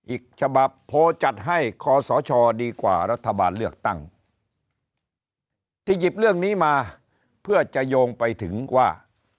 อีกฉบับโพลจัดให้คอสชดีกว่ารัฐบาลเลือกตั้งที่หยิบเรื่องนี้มาเพื่อจะโยงไปถึงว่า